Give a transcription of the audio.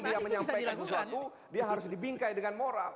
jadi sebelum dia menyampaikan sesuatu dia harus dibingkai dengan moral